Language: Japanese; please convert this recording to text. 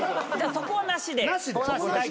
そこはなしで。